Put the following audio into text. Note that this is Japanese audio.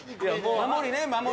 守りね守り。